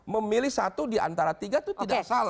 memilih satu diantara tiga itu tidak salah